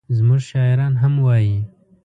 زموږ شاعران هم وایي.